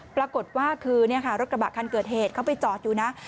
ปรากฏว่าคือรถกระบะคันเกิดเหตุเขาไปจอดอยู่นะ